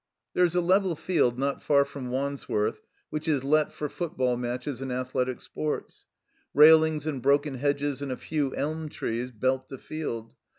There is a level field not far from Wandsworth which is let for football matches and athletic six>rts. Railings and broken hedges and a few elm trees belt the field.